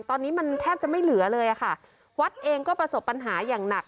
ตอนนี้มันแทบจะไม่เหลือเลยอะค่ะวัดเองก็ประสบปัญหาอย่างหนัก